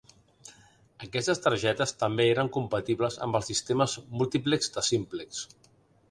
Aquestes targetes també eren compatibles amb els sistemes multiplex de Simplex.